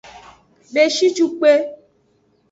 Beshicukpe.